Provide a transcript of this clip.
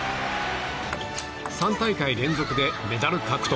３大会連続でメダル獲得。